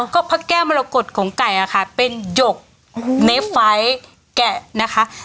ก็พักแก้มารกฏของไก่นะคะเป็นหยกเนฟไลแกะนะคะ